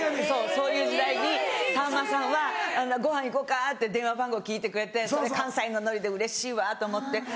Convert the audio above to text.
そうそういう時代にさんまさんは「ごはん行こか」って電話番号を聞いてくれてそれ関西のノリでうれしいわと思って。